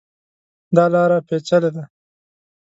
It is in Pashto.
دا لاره پېچلې ده.